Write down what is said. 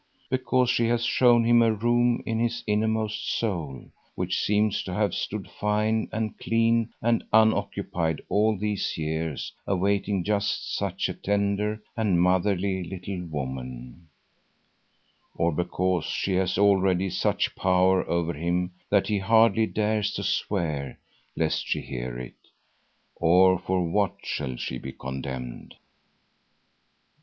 Because she has shown him a room in his innermost soul, which seems to have stood fine and clean and unoccupied all these years awaiting just such a tender and motherly little woman; or because she has already such power over him that he hardly dares to swear lest she hear it; or for what shall she be condemned?